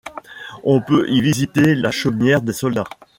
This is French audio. On peut y visiter la chaumière des soldats.